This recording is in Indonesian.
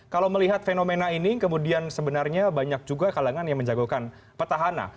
kalau melihat fenomena ini kemudian sebenarnya banyak juga kalangan yang menjagokan petahana